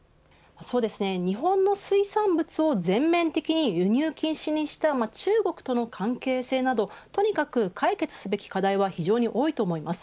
日本の水産物を全面的に輸入禁止にした中国との関係性などとにかく解決すべき課題は非常に多いと思います。